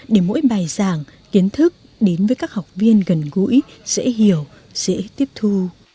để mỗi bài giảng kiến thức đến với các học viên gần gũi dễ hiểu dễ tiếp thu